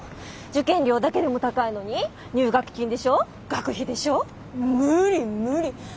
受験料だけでも高いのに入学金でしょ学費でしょ無理無理。